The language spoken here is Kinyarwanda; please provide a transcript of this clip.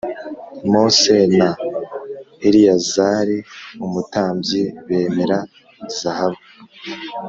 Mose na Eleyazari umutambyi bemera zahabu